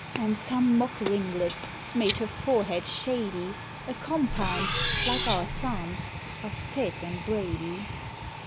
And some mock ringlets, made her forehead shady, A compound (like our Psalms) of tête and braidy.